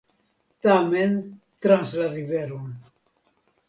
Tamen trans la riveron.